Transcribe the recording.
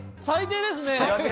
最低ですね！